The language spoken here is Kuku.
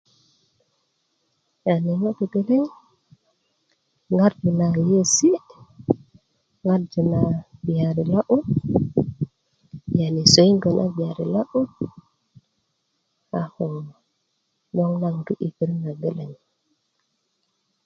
yani ŋo' togeleŋ a ŋarju na yeiyesi' ŋarju na gbiyari lo'but yani sowingo na bgeyari lo'but a ko gboŋ na ŋutu' yi pirit nageleŋ